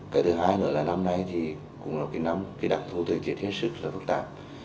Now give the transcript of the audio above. cái thứ hai nữa là năm nay cũng là một năm đặc thù thời tiện thiết sức rất phức tạp